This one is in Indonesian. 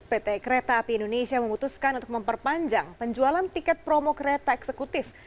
pt kereta api indonesia memutuskan untuk memperpanjang penjualan tiket promo kereta eksekutif